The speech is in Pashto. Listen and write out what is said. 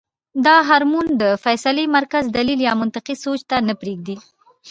دا هارمون د فېصلې مرکز دليل يا منطقي سوچ ته نۀ پرېږدي -